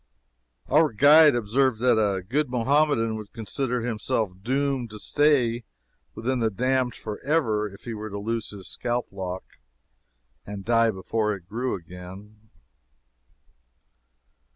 Our guide observed that a good Mohammedan would consider himself doomed to stay with the damned forever if he were to lose his scalp lock and die before it grew again.